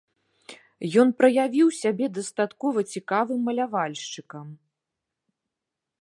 Ён праявіў сябе дастаткова цікавым малявальшчыкам.